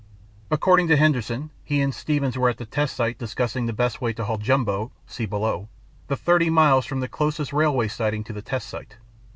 According to Henderson, he and Stevens were at the test site discussing the best way to haul Jumbo (see below) the thirty miles from the closest railway siding to the test site.